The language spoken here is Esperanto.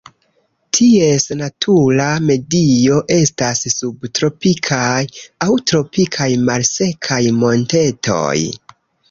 Ties natura medio estas subtropikaj aŭ tropikaj malsekaj montetoj.